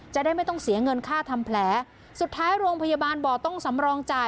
จะได้ไม่ต้องเสียเงินค่าทำแผลสุดท้ายโรงพยาบาลบ่อต้องสำรองจ่าย